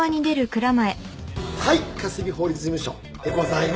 ☎はい香澄法律事務所でございます。